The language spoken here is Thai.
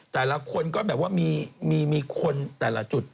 แต่งและทุกคนก็อยู่อาทิตย์